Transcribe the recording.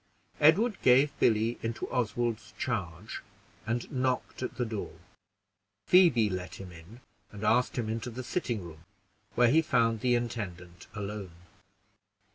Edward gave Billy into Oswald's charge, and knocked at the door. Phoebe let him in, and asked him into the sitting room, where he found the intendant alone.